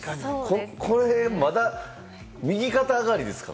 これまだ右肩上がりですか？